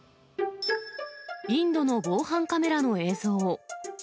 インドの防犯カメラの映像。